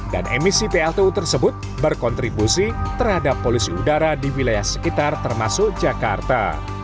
dan emisi pltu tersebut berkontribusi terhadap polusi udara di wilayah sekitar termasuk jakarta